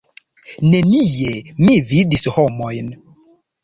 Nenie mi vidis homojn.